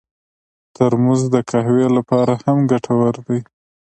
ترموز د قهوې لپاره هم ګټور دی.